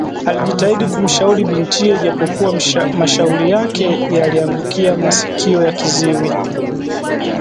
Alijitahidi kumshauri bintiye ijapokuwa mashauri yake yaliangukia masikio ya kiziwi